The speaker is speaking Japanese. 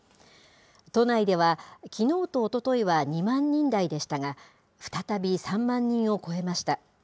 都内では、きのうとおとといは２万人台でしたが、再び３万人を超えました。